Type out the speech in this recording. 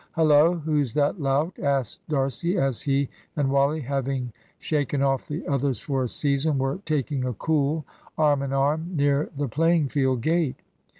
"Hullo, who's that lout?" asked D'Arcy, as he and Wally, having shaken off the others for a season, were "taking a cool," arm in arm near the playing field gate.